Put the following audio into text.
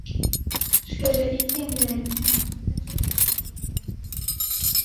Шкеже ик еҥ дене лий, чонетше весым шоныжо.